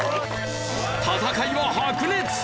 戦いは白熱！